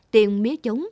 tiền mía chống